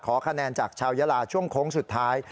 คะแนนจากชาวยาลาช่วงโค้งสุดท้าย